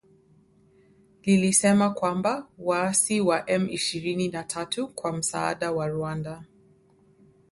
lilisema kwamba waasi wa M ishirini na tatu kwa msaada wa Rwanda